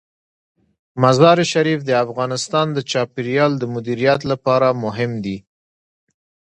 مزارشریف د افغانستان د چاپیریال د مدیریت لپاره مهم دي.